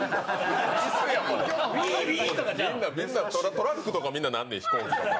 トラックとかみんななんねん、飛行機とか。